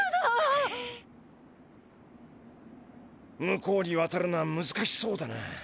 向こうにわたるのはむずかしそうだな。